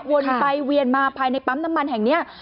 วนไปเวียนมาภายในปั๊มน้ำมันแห่งนี้